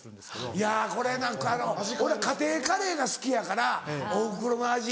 いやこれな俺は家庭カレーが好きやからおふくろの味